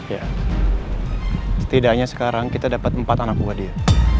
ya setidaknya sekarang kita dapat empat anak buah dia